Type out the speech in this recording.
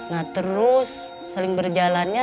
nah terus saling berjalannya